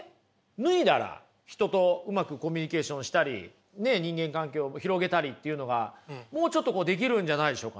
脱いだら人とうまくコミュニケーションしたり人間関係を広げたりっていうのがもうちょっとできるんじゃないでしょうか。